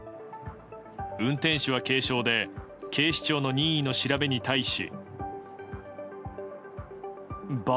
運転手は軽傷で警視庁の任意の調べに対し。